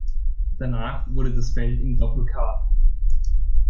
Danach wurde das Feld im Doppel-K.